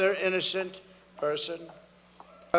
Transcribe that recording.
menyakiti orang yang tidak berdekatan